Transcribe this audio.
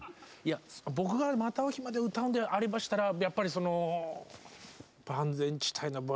僕が「また逢う日まで」を歌うんでありましたらやっぱりそのあっそうですか。